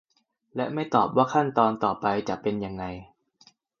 และไม่ตอบว่าขั้นตอนต่อไปจะเป็นยังไง